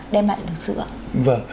đem lại được sự ảnh